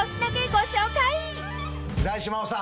大地真央さん